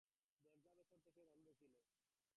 দরজা ভেতর থেকে বন্ধ ছিল।